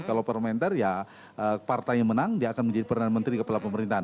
kalau permenter ya partai yang menang dia akan menjadi peran menteri kepala pemerintahan